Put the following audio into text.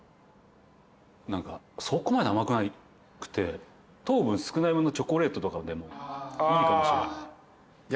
何かそこまで甘くなくて糖分少なめのチョコレートとかでもいいかもしれない。